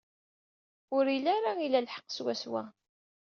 Ur yelli ara ila lḥeqq swaswa.